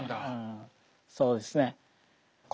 そうですね。